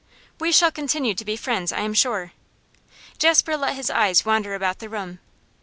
'We shall continue to be friends, I am sure.' Jasper let his eyes wander about the room.